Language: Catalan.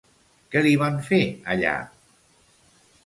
Què li van fer allà?